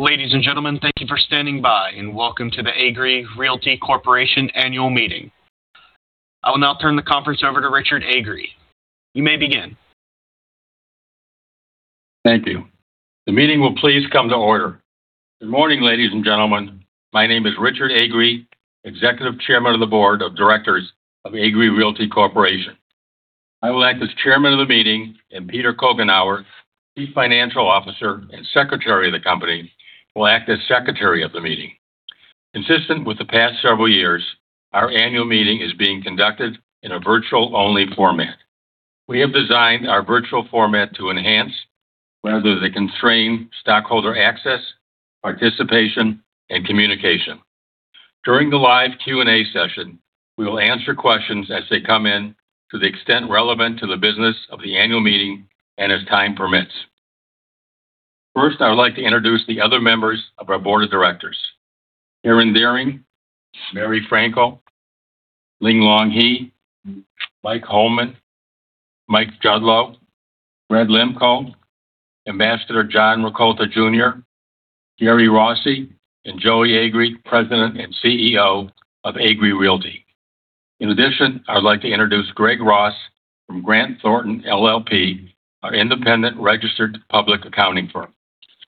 Ladies and gentlemen, thank you for standing by, and welcome to the Agree Realty Corporation Annual Meeting. I will now turn the conference over to Richard Agree. You may begin. Thank you. The meeting will please come to order. Good morning, ladies and gentlemen. My name is Richard Agree, Executive Chairman of the Board of Directors of Agree Realty Corporation. I will act as chairman of the meeting, and Peter Coughenour, Chief Financial Officer and Secretary of the company will act as secretary of the meeting. Consistent with the past several years, our annual meeting is being conducted in a virtual-only format. We have designed our virtual format to enhance rather than constrain stockholder access, participation, and communication. During the live Q&A session, we will answer questions as they come in to the extent relevant to the business of the annual meeting and as time permits. First, I would like to introduce the other members of our board of directors. Karen Dearing, Merrie Frankel, Linglong He, Mike Hollman, Michael Judlowe, Greg Lehmkuhl, Ambassador John Rakolta Jr., Jerome Rossi, and Joey Agree, President and CEO of Agree Realty. I would like to introduce Greg Ross from Grant Thornton LLP, our independent registered public accounting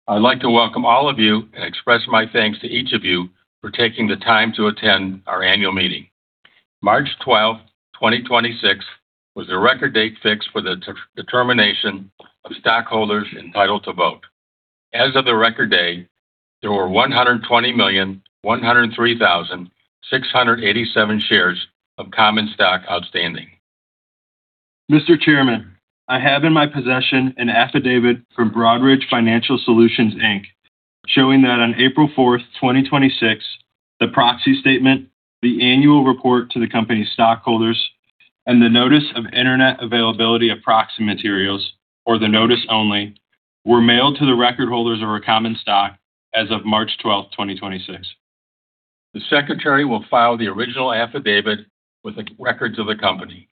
firm. I'd like to welcome all of you and express my thanks to each of you for taking the time to attend our annual meeting. March 12th, 2026 was the record date fixed for the determination of stockholders entitled to vote. As of the record date, there were 120 million, 103,000, 687 shares of common stock outstanding. Mr. Chairman, I have in my possession an affidavit from Broadridge Financial Solutions, Inc., showing that on April 4, 2026, the proxy statement, the annual report to the company's stockholders, and the notice of internet availability of proxy materials, or the notice only, were mailed to the record holders of our common stock as of March 12, 2026. The secretary will file the original affidavit with the records of the company.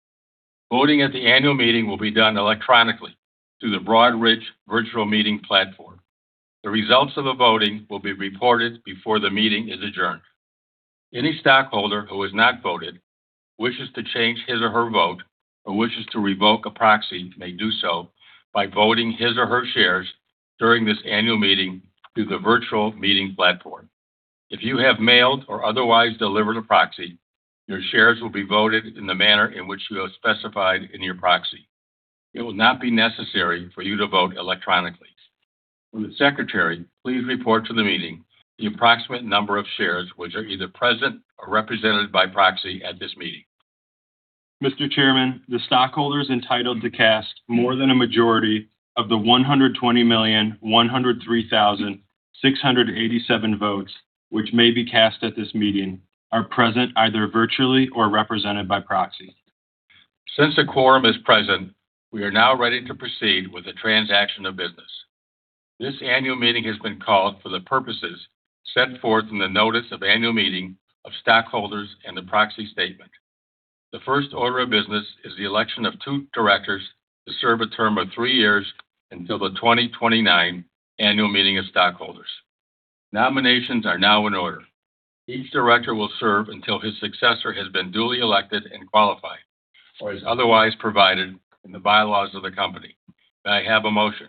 Voting at the annual meeting will be done electronically through the Broadridge virtual meeting platform. The results of the voting will be reported before the meeting is adjourned. Any stockholder who has not voted wishes to change his or her vote or wishes to revoke a proxy may do so by voting his or her shares during this annual meeting through the virtual meeting platform. If you have mailed or otherwise delivered a proxy, your shares will be voted in the manner in which you have specified in your proxy. It will not be necessary for you to vote electronically. Will the secretary please report to the meeting the approximate number of shares which are either present or represented by proxy at this meeting. Mr. Chairman, the stockholders entitled to cast more than a majority of the 120,103,687 votes, which may be cast at this meeting, are present either virtually or represented by proxy. Since the quorum is present, we are now ready to proceed with the transaction of business. This annual meeting has been called for the purposes set forth in the notice of annual meeting of stockholders and the proxy statement. The first order of business is the election of two directors to serve a term of three years until the 2029 annual meeting of stockholders. Nominations are now in order. Each director will serve until his successor has been duly elected and qualified, or is otherwise provided in the bylaws of the company. May I have a motion?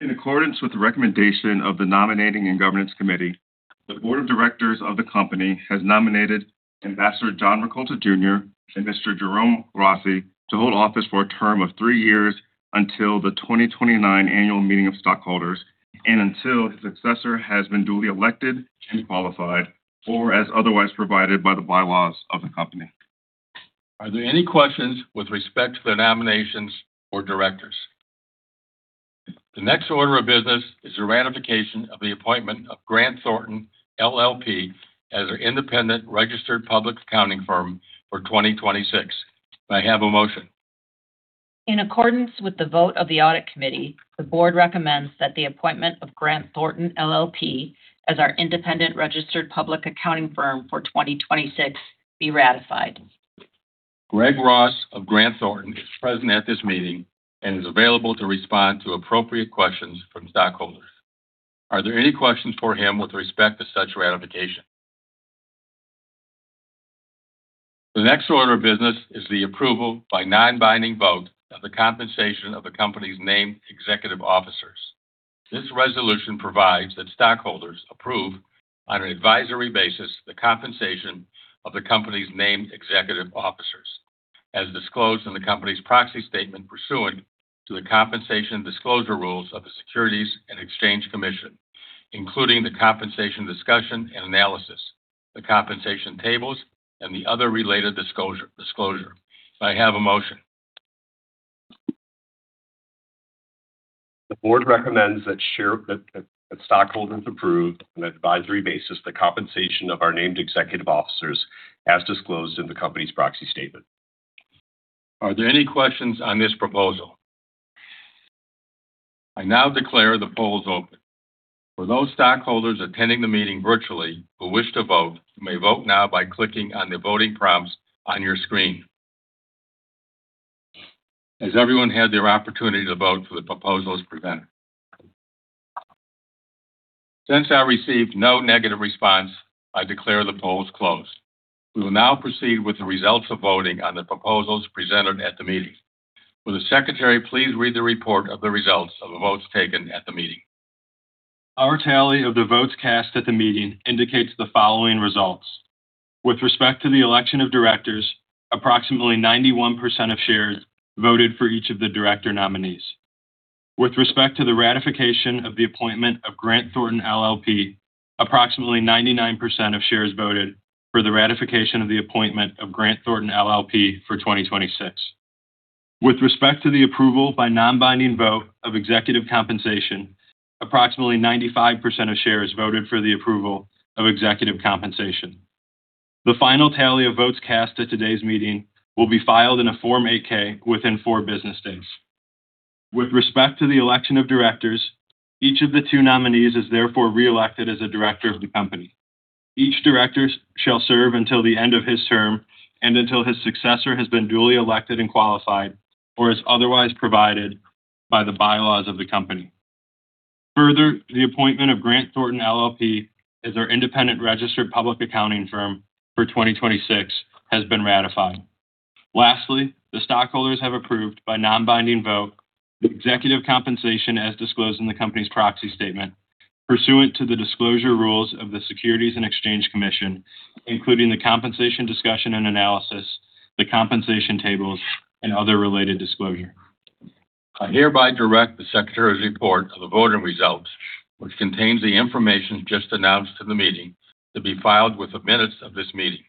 In accordance with the recommendation of the nominating and governance committee, the board of directors of the company has nominated Ambassador John Rakolta Jr. And Mr. Jerome Rossi to hold office for a term of three years until the 2029 annual meeting of stockholders and until his successor has been duly elected and qualified or as otherwise provided by the bylaws of the company. Are there any questions with respect to the nominations for directors? The next order of business is the ratification of the appointment of Grant Thornton LLP as our independent registered public accounting firm for 2026. May I have a motion? In accordance with the vote of the audit committee, the board recommends that the appointment of Grant Thornton LLP as our independent registered public accounting firm for 2026 be ratified. Greg Ross of Grant Thornton LLP is present at this meeting and is available to respond to appropriate questions from stockholders. Are there any questions for him with respect to such ratification? The next order of business is the approval by non-binding vote of the compensation of the company's named executive officers. This resolution provides that stockholders approve on an advisory basis the compensation of the company's named executive officers as disclosed in the company's proxy statement pursuant to the compensation disclosure rules of the Securities and Exchange Commission, including the compensation discussion and analysis, the compensation tables, and the other related disclosure. May I have a motion? The board recommends that stockholders approve on an advisory basis the compensation of our named executive officers as disclosed in the company's proxy statement. Are there any questions on this proposal? I now declare the polls open. For those stockholders attending the meeting virtually who wish to vote, you may vote now by clicking on the voting prompts on your screen. Has everyone had their opportunity to vote for the proposals presented? Since I received no negative response, I declare the polls closed. We will now proceed with the results of voting on the proposals presented at the meeting. Will the secretary please read the report of the results of the votes taken at the meeting? Our tally of the votes cast at the meeting indicates the following results. With respect to the election of directors, approximately 91% of shares voted for each of the director nominees. With respect to the ratification of the appointment of Grant Thornton LLP, approximately 99% of shares voted for the ratification of the appointment of Grant Thornton LLP for 2026. With respect to the approval by non-binding vote of executive compensation, approximately 95% of shares voted for the approval of executive compensation. The final tally of votes cast at today's meeting will be filed in a Form 8-K within four business days. With respect to the election of directors, each of the two nominees is therefore reelected as a director of the company. Each director shall serve until the end of his term and until his successor has been duly elected and qualified, or as otherwise provided by the bylaws of the company. Further, the appointment of Grant Thornton LLP as our independent registered public accounting firm for 2026 has been ratified. Lastly, the stockholders have approved by non-binding vote the executive compensation as disclosed in the company's proxy statement pursuant to the disclosure rules of the Securities and Exchange Commission, including the compensation discussion and analysis, the compensation tables, and other related disclosure. I hereby direct the secretary's report of the voting results, which contains the information just announced to the meeting, to be filed with the minutes of this meeting.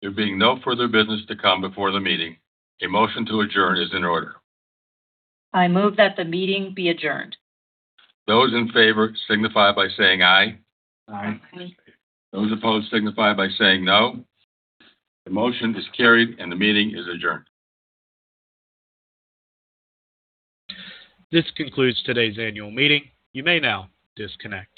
There being no further business to come before the meeting, a motion to adjourn is in order. I move that the meeting be adjourned. Those in favor signify by saying aye. Aye. Those opposed signify by saying no. The motion is carried, and the meeting is adjourned. This concludes today's annual meeting. You may now disconnect.